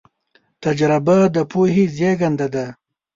تجربه د پوهې زېږنده ده.